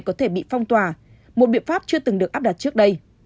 có thể bị phong tỏa một biện pháp chưa từng được áp đặt trước đây